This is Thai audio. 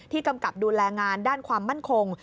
กำกับดูแลงานด้านความมั่นคง